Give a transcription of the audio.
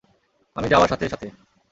আমি যাওয়ার সাথে সাথে!